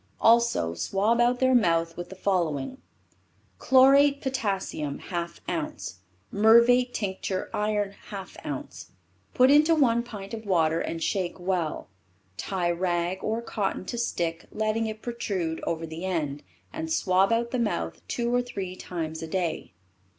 Also swab out their mouth with the following: "Chlorate potassium half ounce, murvate tincture iron half ounce. Put into one pint of water and shake well. Tie rag or cotton to stick, letting it protrude over the end, and swab out the mouth two or three times a day."